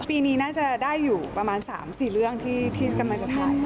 ปีนี้น่าจะได้อยู่ประมาณ๓๔เรื่องที่กำลังจะถ่าย